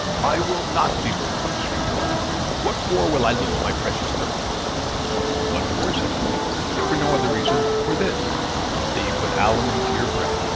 'I will not be murdered!' he shrieked aloud; 'what for will I lose my precious throat?' 'What for?' said I; 'if for no other reason, for this that you put alum into your bread.